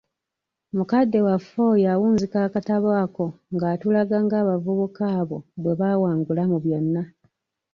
Mukadde waffe oyo awunzika akatabo ako ng'atulaga ng'abavubuka abo bwebawangula mu byonna.